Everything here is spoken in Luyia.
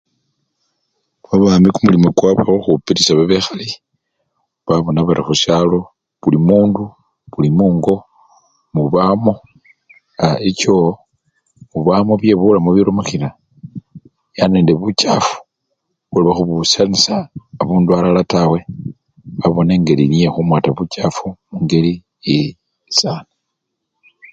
Babami kumulimo kwabwe khukhupilisya babekhali babona bari khusyalo buli mundu, buli mungo mubamo a! echoo, mubamo byebulamu birumikhilwa yani nende buchafu lwekhubusyanisya abundu alala tawe babona endeli yekhumwata buchafu obwo, engeli yili safi.